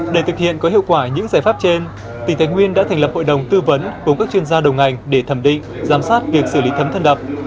để thực hiện có hiệu quả những giải pháp trên tỉnh thái nguyên đã thành lập hội đồng tư vấn cùng các chuyên gia đầu ngành để thẩm định giám sát việc xử lý thấm thân đập